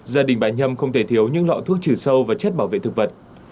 gia đình bà nhâm không thể thiếu những lọ thuốc trừ sâu và chất bảo vệ thực vật